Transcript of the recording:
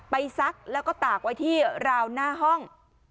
ซักแล้วก็ตากไว้ที่ราวหน้าห้อง